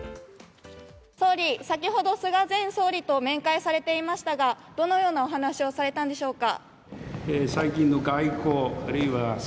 総理、先ほど菅前総理と面会されていましたがどのようなお話をされたんでしょうか。